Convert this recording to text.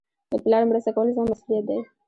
د پلار مرسته کول زما مسئولیت دئ.